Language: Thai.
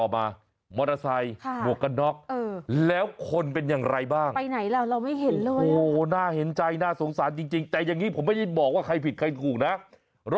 มากเท่าไหร่